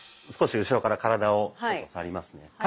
少し後ろから体を触りますね。